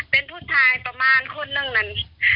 เป็นผู้ชายประมาณคนนึงนั้น